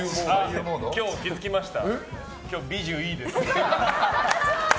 今日、気づきました？